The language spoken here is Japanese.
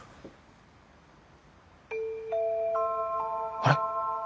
あれ！？